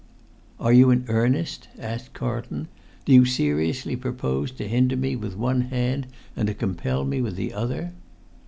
"Are you in earnest?" asked Carlton. "Do you seriously propose to hinder me with one hand and to compel me with the other?"